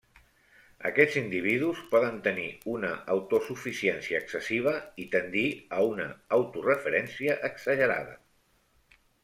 Aquests individus poden tenir una autosuficiència excessiva i tendir a una autoreferència exagerada.